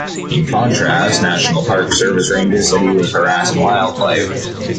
In contrast, National Park Service Rangers said he was harassing wildlife.